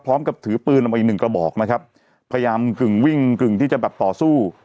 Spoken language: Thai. พร้อมกับถือปืนออกมาอีกหนึ่งกระบอกนะครับพยายามกึ่งวิ่งกึ่งที่จะแบบต่อสู้